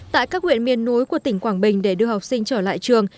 tại các huyện miền núi của tỉnh quảng bình để đưa học sinh trở lại trường